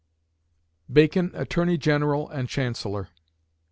BACON ATTORNEY GENERAL AND CHANCELLOR.